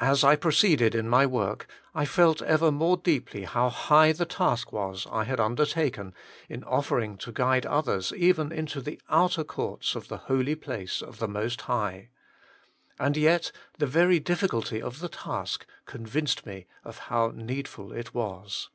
As I proceeded in my work, I felt ever more deeply how high the task was I had undertaken in offering to guide others even into the outer courts of the Holy Place of the Most High. And yet the very difficulty of the task convinced me of how needful it was.